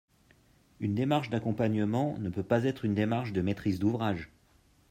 Une démarche d’accompagnement ne peut pas être une démarche de maîtrise d’ouvrage.